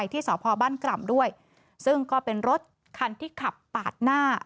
ที่สพบ้านกร่ำด้วยซึ่งก็เป็นรถคันที่ขับปาดหน้า